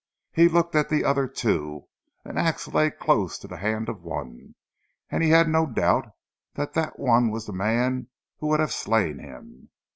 He looked at the other two. An ax lay close to the hand of one, and he had no doubt that that one was the man who would have slain him.